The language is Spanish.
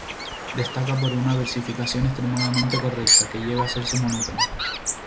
Destaca por una versificación extremadamente correcta, que llega a hacerse monótona.